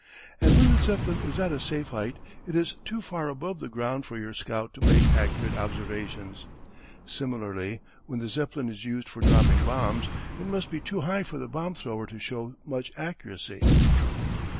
And when the Zeppelin is at a safe height it is too far above the ground for your scout to make accurate observations. Similarly, when the Zeppelin is used for dropping bombs, it must be too high for the bomb thrower to show much accuracy."